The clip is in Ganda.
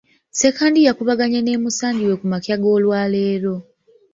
Ssekandi yakubaganye ne musangi we ku makya g’olwaleero.